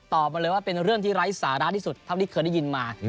มาเลยว่าเป็นเรื่องที่ไร้สาระที่สุดเท่าที่เคยได้ยินมา